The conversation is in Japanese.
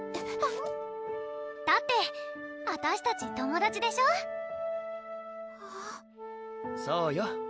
えっだってあたしたち友達でしょそうよ